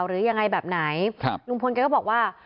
หรือยังไงแบบไหนครับลุงพลแกก็บอกว่า